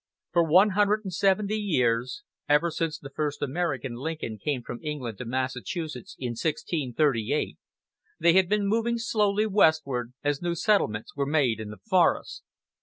For one hundred and seventy years, ever since the first American Lincoln came from England to Massachusetts in 1638, they had been moving slowly westward as new settlements were made in the forest.